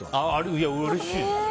いや、うれしい。